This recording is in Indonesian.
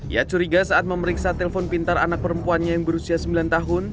ia curiga saat memeriksa telpon pintar anak perempuannya yang berusia sembilan tahun